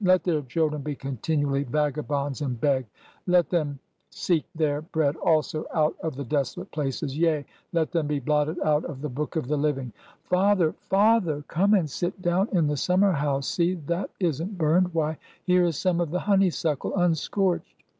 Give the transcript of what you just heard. ... Let their children be continually vagabonds and beg ! Let them seek their bread also out of the desolate places!' ... Yea, Met them be blotted out of the book of the living 1 '" ''Father! ... Father! ... come and sit down in the summer house ! See ! that is n't burned ! Why, here is some of the honeysuckle unscorched."